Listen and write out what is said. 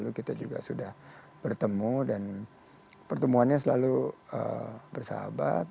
kita juga sudah bertemu dan pertemuannya selalu bersahabat